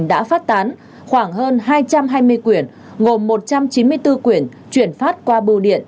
đã phát tán khoảng hơn hai trăm hai mươi quyển gồm một trăm chín mươi bốn quyển chuyển phát qua bưu điện